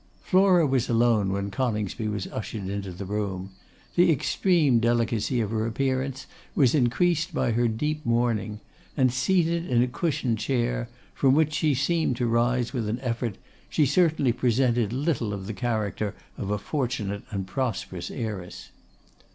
Flora was alone when Coningsby was ushered into the room. The extreme delicacy of her appearance was increased by her deep mourning; and seated in a cushioned chair, from which she seemed to rise with an effort, she certainly presented little of the character of a fortunate and prosperous heiress.